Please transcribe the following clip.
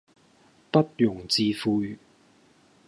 不容置喙